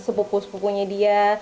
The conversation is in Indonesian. dengan sepupu sepupunya dia